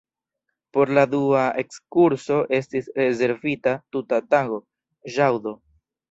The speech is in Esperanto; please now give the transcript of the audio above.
Por la dua ekskurso esti rezervita tuta tago, ĵaŭdo.